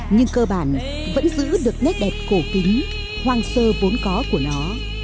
nhưng cơ bản vẫn giữ được nét đẹp cổ kính hoang sơ vốn có của nó